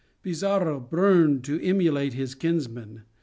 Pizarro burned to emulate his kinsman.